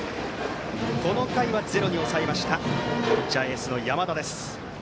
この回はゼロに抑えましたピッチャー、エースの山田です。